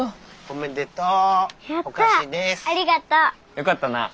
よかったなあ。